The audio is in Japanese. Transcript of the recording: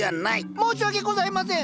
申し訳ございません。